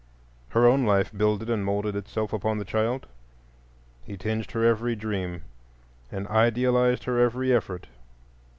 Her own life builded and moulded itself upon the child; he tinged her every dream and idealized her every effort.